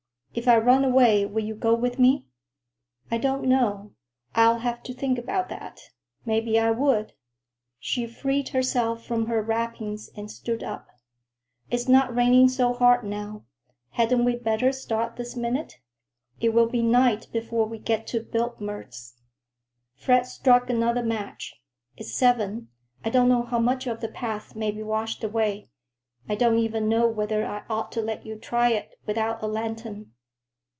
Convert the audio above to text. "If I run away, will you go with me?" "I don't know. I'll have to think about that. Maybe I would." She freed herself from her wrappings and stood up. "It's not raining so hard now. Hadn't we better start this minute? It will be night before we get to Biltmer's." Fred struck another match. "It's seven. I don't know how much of the path may be washed away. I don't even know whether I ought to let you try it without a lantern."